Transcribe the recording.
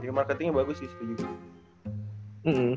jadi marketingnya bagus sih